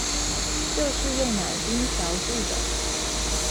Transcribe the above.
就是用奶精調製的